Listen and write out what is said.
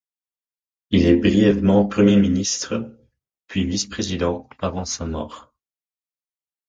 Il est brièvement Premier ministre puis Vice-président avant sa mort.